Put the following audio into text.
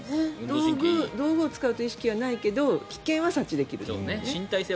道具を使うという意識はないけど危険は察知できると。